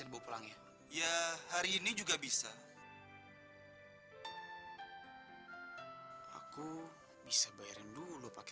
bapak ke sini cari siapa ya pak